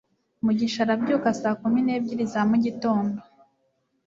mugisha arabyuka saa kumi n'ebyiri za mugitondo